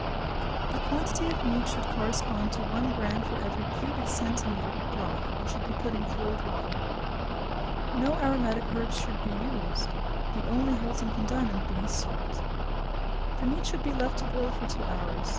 The quantity of meat should correspond to 1 gramme for every cubic centimetre of broth and should be put in cold water. No aromatic herbs should be used, the only wholesome condiment being salt. The meat should be left to boil for two hours.